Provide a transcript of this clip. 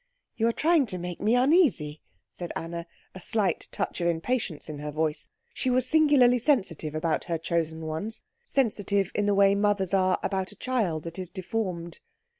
"You are trying to make me uneasy," said Anna, a slight touch of impatience in her voice. She was singularly sensitive about her chosen ones; sensitive in the way mothers are about a child that is deformed.